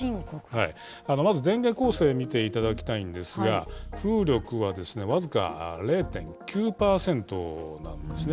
まず電源構成見ていただきたいんですが、風力は僅か０．９％なんですね。